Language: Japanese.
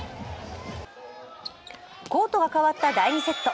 コートが変わった第２セット。